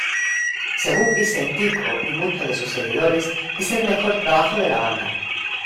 Según Vicentico y muchos de sus seguidores es el mejor trabajo de la banda.